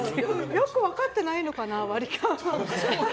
よく分かってないのかな割り勘。